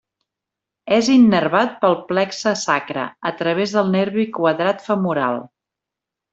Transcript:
És innervat pel plexe sacre, a través del nervi quadrat femoral.